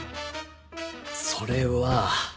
それは。